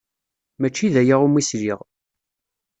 Maci d aya umi sliɣ.